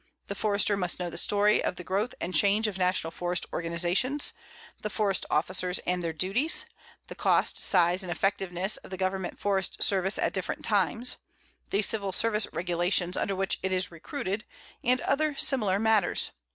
The Forester must know the story of the growth and change of National Forest organizations, the Forest Officers and their duties, the cost, size, and effectiveness of the Government Forest Service at different times, the Civil Service regulations under which it is recruited, and other similar matters.